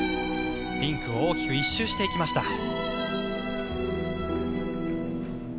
リンクを大きく１周していきました。